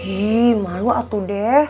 ih malu atuh deh